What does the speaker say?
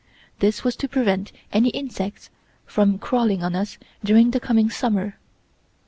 This was to prevent any insects from crawling on us during the coming summer.